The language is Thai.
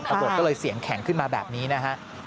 ตำรวจก็เลยเสียงแข็งขึ้นมาแบบนี้นะฮะ